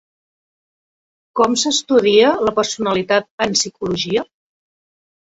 Com s'estudia la personalitat en psicologia?